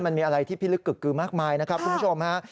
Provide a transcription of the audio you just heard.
มันมีอะไรที่พิลึกกึกกือมากมายนะครับคุณผู้ชมฮะ